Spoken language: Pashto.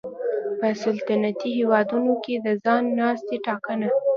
په سلطنتي هېوادونو کې د ځای ناستي ټاکنه